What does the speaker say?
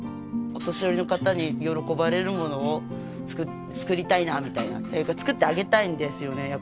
お年寄りの方に喜ばれるものを作りたいなみたいな作ってあげたいんですよね